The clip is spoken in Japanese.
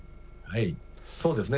そうですね。